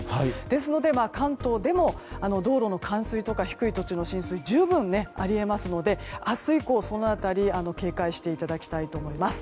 ですので、関東でも道路の冠水とか低い土地の浸水十分にあり得ますので明日以降、その辺り警戒していただきたいと思います。